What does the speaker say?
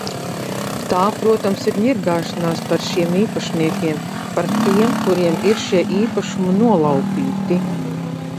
Tā, protams, ir ņirgāšanās par šiem īpašniekiem, par tiem, kuriem ir šie īpašumi nolaupīti.